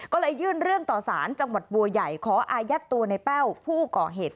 ก็เลยยื่นเรื่องต่อสารจังหวัดบัวใหญ่ขออายัดตัวในแป้วผู้ก่อเหตุ